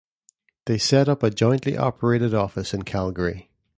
They set up a jointly operated office in Calgary.